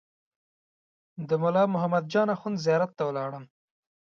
د ملا محمد جان اخوند زیارت ته ولاړم.